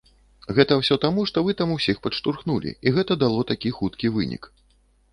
Гэта ўсё таму, што вы там усіх падштурхнулі і гэта дало такі хуткі вынік.